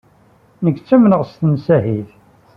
Nekk ttamneɣ s tmasiḥit.